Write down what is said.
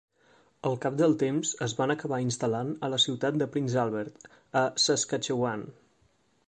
Al cap del temps es van acabar instal·lant a la ciutat de Prince Albert, a Saskatchewan.